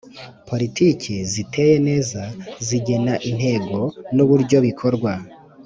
Politiki ziteye neza zigena intego n uburyo bikorwa